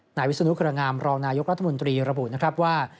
หน่ายวิสูนุค์คลงามรองนายกรรภมนธรรมนมระบุว่า